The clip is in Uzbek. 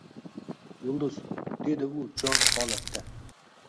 Yulduz, dedi u jon holatda